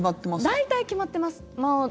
大体決まってます。